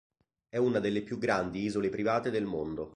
È una delle più grandi isole private del mondo.